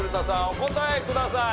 お答えください。